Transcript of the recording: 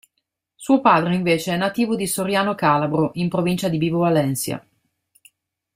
Suo padre invece è nativo di Soriano Calabro, in Provincia di Vibo Valentia.